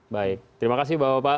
baik terima kasih bapak